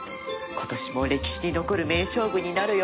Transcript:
今年も歴史に残る名勝負になる予感